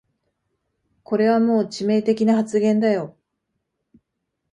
これはもう致命的な発言だよ